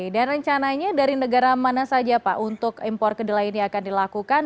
dan rencananya dari negara mana saja pak untuk impor kedelai ini akan dilakukan